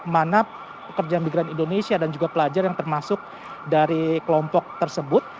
mana pekerja migran indonesia dan juga pelajar yang termasuk dari kelompok tersebut